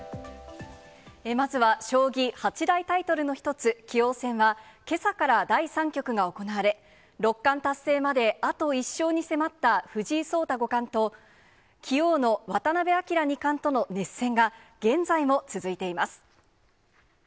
まずは将棋８大タイトルの１つ、棋王戦は、けさから第３局が行われ、六冠達成まであと１勝に迫った藤井聡太五冠と、棋王の渡辺明二冠との熱戦が現在も続いています。